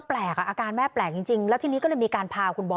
ไม่อยากให้แม่เป็นอะไรไปแล้วนอนร้องไห้แท่ทุกคืน